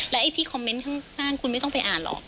ไอ้ที่คอมเมนต์ข้างคุณไม่ต้องไปอ่านหรอก